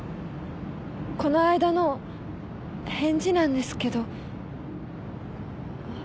この間の返事なんですけど。